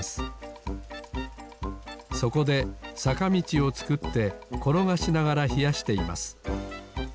そこでさかみちをつくってころがしながらひやしています。